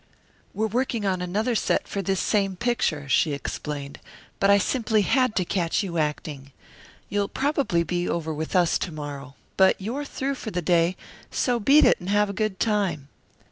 "We're working on another set for this same picture," she explained, "but I simply had to catch you acting. You'll probably be over with us to morrow. But you're through for the day, so beat it and have a good time."